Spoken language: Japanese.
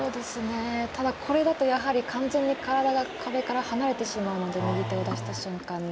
これだと完全に体が壁から離れてしまうので右手を出した瞬間に。